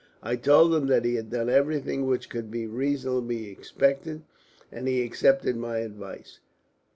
"I told him that he had done everything which could be reasonably expected; and he accepted my advice.